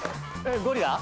ゴリラ？